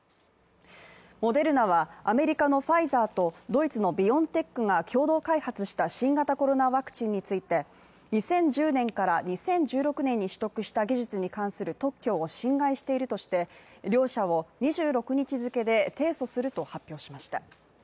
モデルナはアメリカのファイザーとドイツのビオンテックが共同開発した新型コロナワクチンについて２０１０年から２０１６年に取得した技術に関する特許を侵害しているとして両社を２６日付で提訴すると発表しました。